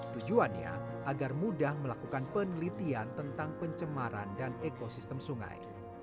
tujuannya agar mudah melakukan penelitian tentang pencemaran dan ekosistem sungai